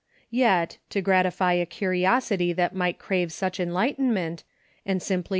Yet, to gratify a curiosity that might crave such enlightenment, and simply 134 EUCHRE.